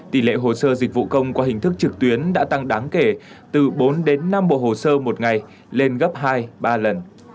tỷ lệ hồ sơ dịch vụ công qua hình thức trực tuyến đã tăng đáng kể từ bốn đến năm bộ hồ sơ một ngày lên gấp hai ba lần